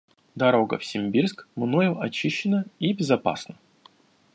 Дорога в Симбирск мною очищена и безопасна.